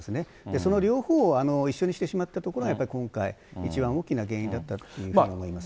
その両方を一緒にしてしまったところがやっぱり今回、一番大きな原因だったというふうに思いますね。